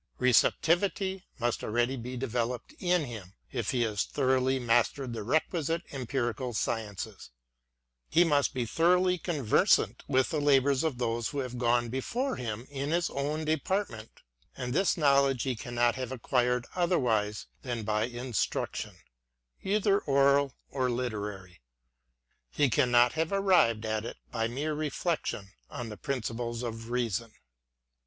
Receptivity must already be developed in him, if he has thoroughly mastered the requisite empiri cal sciences, lie must be thoroughly conversant with the labours of those who have gone before him in his own department, and this Knowledge he cannot have acquired otherwise than by instruction, either oral or literary; — he cannot have arrived at it by mere reflection on the prin ciples of Reason.